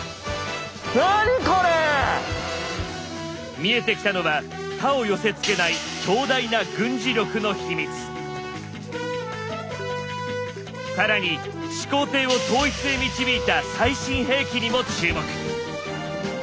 見えてきたのは他を寄せつけない強大な更に始皇帝を統一へ導いた「最新兵器」にも注目！